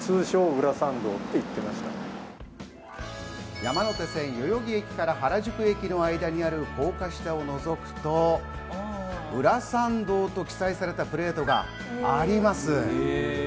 山手線・代々木駅から原宿駅の間にある高架下をのぞくと、裏参道と記載されたプレートがあります。